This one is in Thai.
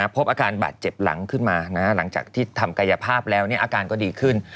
พบอาการบาดเจ็บหลังขึ้นมาหลังจากที่ทำกายภาพแล้วอาการก็ดีขึ้น